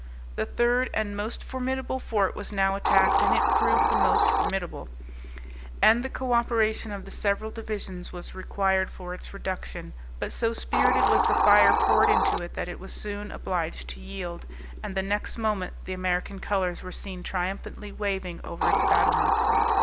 The third and most formidable fort was now attacked, and it proved the most formidable, and the co operation of the several divisions was required for its reduction; but so spirited was the fire poured into it that it was soon obliged to yield, and the next moment the American colors were seen triumphantly waving over its battlements.